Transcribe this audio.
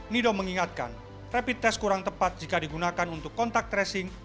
nido mengingatkan rapid test kurang tepat jika digunakan untuk kontak tracing